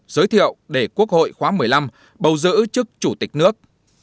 giới thiệu để quốc hội khóa một mươi năm bầu giữ chức chủ tịch nước